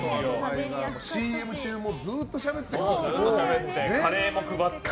ＣＭ中もずっとしゃべってましたね。